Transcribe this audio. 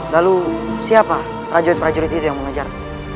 lalu siapa rajaat prajurit itu yang mengejar